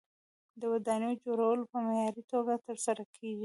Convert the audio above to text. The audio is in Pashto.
د ودانیو جوړول په معیاري توګه ترسره کیږي.